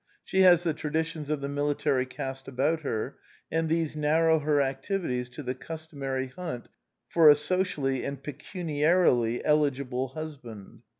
She has the traditions of the military caste about her; and these narrow her activities to the customary hunt for a socially and pecuniarily eligible husband.